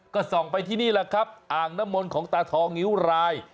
ก็ส่องไปที่นี่แหละครับอ่างน้ำมนต์ของตาทองนิ้วราย